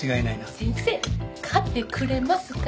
先生買ってくれますか？